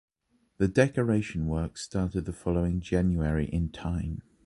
The decoration works started the following January in Tyne.